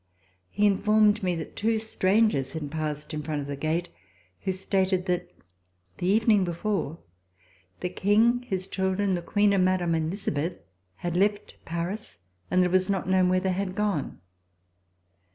He informed me that two strangers had passed in front of the gate who stated that the evening before, the King, his children, the Queen and Mme. Elisabeth had left Paris and that it was not known where they had gone.